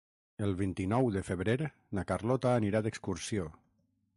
El vint-i-nou de febrer na Carlota anirà d'excursió.